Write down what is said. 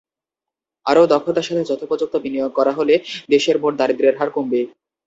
আরও দক্ষতার সঙ্গে যথোপযুক্ত বিনিয়োগ করা হলে দেশের মোট দারিদ্র্যের হার কমবে।